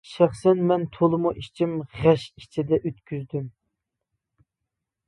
شەخسەن مەن تولىمۇ ئىچىم غەش ئىچىدە ئۆتكۈزدۈم.